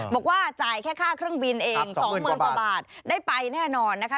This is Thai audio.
บอกว่าจ่ายแค่ค่าเครื่องบินเอง๒๐๐๐กว่าบาทได้ไปแน่นอนนะคะ